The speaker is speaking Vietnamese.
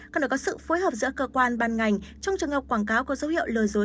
còn có sự phối hợp giữa cơ quan ban ngành trong trường hợp quảng cáo có dấu hiệu lời dối